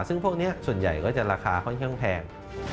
ซึ่งพวกนี้ส่วนใหญ่ก็จะราคาค่อนข้างแพง